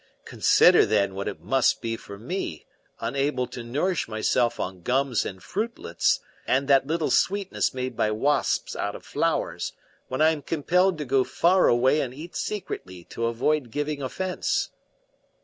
Consider, then, what it must be for me, unable to nourish myself on gums and fruitlets, and that little sweetness made by wasps out of flowers, when I am compelled to go far away and eat secretly to avoid giving offence."